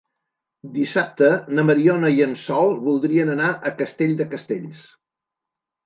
Dissabte na Mariona i en Sol voldrien anar a Castell de Castells.